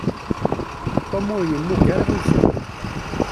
Tom ur yemmug ara i uselmed.